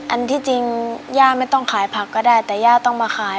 อันที่จริงย่าไม่ต้องขายผักก็ได้แต่ย่าต้องมาขาย